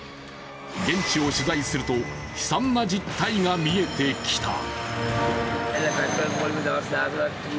現地を取材すると悲惨な実態が見えてきた。